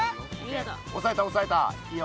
おさえたおさえたいいよ。